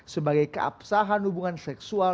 sebagai keabsahan hubungan seksual